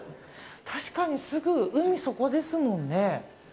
確かにすぐ、海そこですもんね。